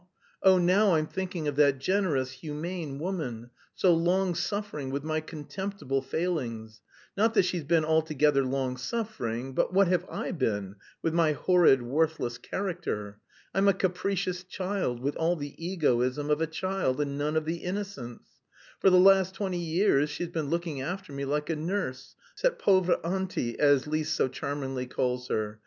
Oh, now I'm thinking of that generous, humane woman, so long suffering with my contemptible failings not that she's been altogether long suffering, but what have I been with my horrid, worthless character! I'm a capricious child, with all the egoism of a child and none of the innocence. For the last twenty years she's been looking after me like a nurse, cette pauvre auntie, as Lise so charmingly calls her....